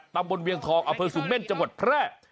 ตำบลเวียงทองอเภอสูงเม่นจังหวัดแพร่